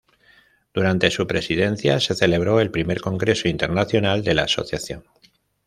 Durante su presidencia se celebró el Primer Congreso Internacional de la Asociación.